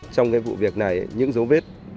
trong cái vụ việc này những dấu vết